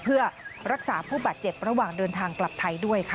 เพื่อรักษาผู้บาดเจ็บระหว่างเดินทางกลับไทยด้วยค่ะ